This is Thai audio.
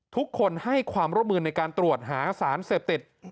ทุกคนให้ความร่วมมือในการตรวจหาสารเสพติด